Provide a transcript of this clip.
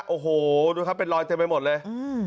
โอ้โหดูครับเป็นรอยเต็มไปหมดเลย